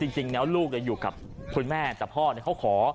จริงแล้วลูกด้วยอยู่กับเราเนี่ย